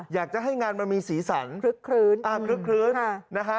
อยากจะให้งานมีสีสันครึกครื้น